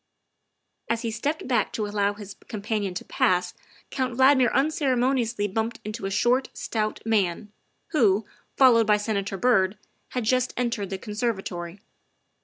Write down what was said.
As he stepped back to allow his companion to pass Count Valdmir unceremoniously bumped into a short, stout man, who, followed by Senator Byrd, had just entered the conservatory.